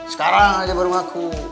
sekarang aja baru ngaku